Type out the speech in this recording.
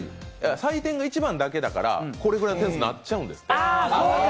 採点が１番だけだからこれくらいの点数になっちゃうんですって。